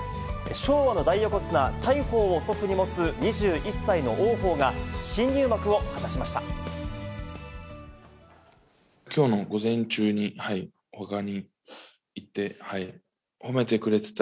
昭和の大横綱・大鵬を祖父に持つ２１歳の王鵬が新入幕を果たしました。